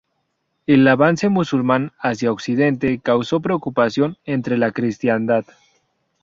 El avance musulmán hacia Occidente causó preocupación entre la cristiandad.